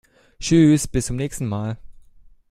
Tschüss, bis zum nächsen Mal!